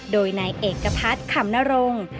โดยนายเอกพัฒน์ขำนรงค์